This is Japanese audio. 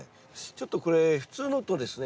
ちょっとこれ普通のとですね